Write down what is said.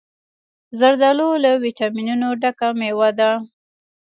زردالو له ویټامینونو ډکه مېوه ده.